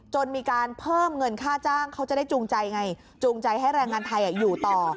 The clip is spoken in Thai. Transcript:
จนมีการเพิ่มเงินค่าจ้างเขาจะได้จูงใจไงจูงใจให้แรงงานไทยอยู่ต่อ